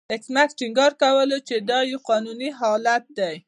ایس میکس ټینګار کاوه چې دا یو قانوني حالت دی